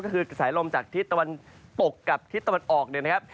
ก็คือกระแสลมจากทิศตะวันตกกับทิศตะวันออกเนี่ยนะครับ